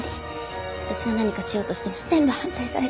私が何かしようとしても全部反対されて。